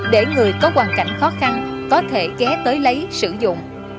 để người có hoàn cảnh khó khăn có thể ghé tới lấy sử dụng